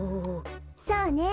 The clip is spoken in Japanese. そうね。